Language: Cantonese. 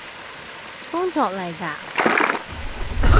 工作嚟嘎？